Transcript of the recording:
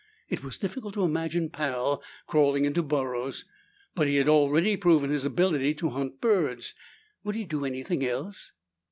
It was difficult to imagine Pal crawling into burrows, but he had already proven his ability to hunt birds. Would he do anything else?